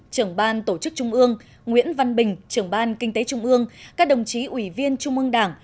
trưởng ban tổ chức trung ương nguyễn văn bình trưởng ban kinh tế trung ương các đồng chí ủy viên trung ương đảng